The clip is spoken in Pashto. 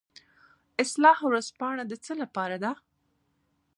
اصلاح ورځپاڼه د څه لپاره ده؟